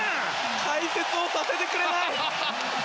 解説をさせてくれない。